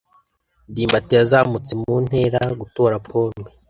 ndimbati yazamutse mu ntera gutora pome.